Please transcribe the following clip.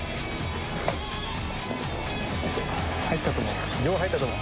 入ったと思う。